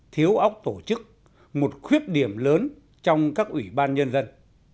thiếu ốc tổ chức một khuyết điểm lớn trong các ủy ban nhân dân